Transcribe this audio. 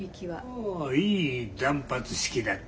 ああいい断髪式だった。